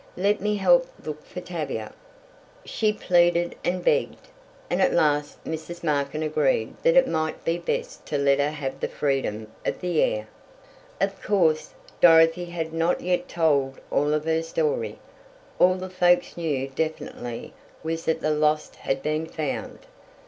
Let me help look for Tavia!" She pleaded and begged, and at last Mrs. Markin agreed that it might be best to let her have the freedom of the air. Of course, Dorothy had not yet told all of her story all the folks knew definitely was that the lost had been found.